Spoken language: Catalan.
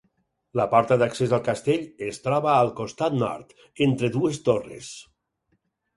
La porta d'accés al castell es troba al costat nord, entre dues torres.